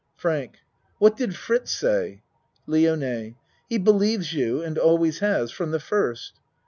FRANK What did Fritz say? LIONE He believes you and always has. From the first.